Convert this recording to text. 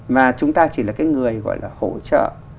mà chúng ta chỉ là cái người gọi là hỗ trợ